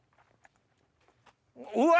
うわ！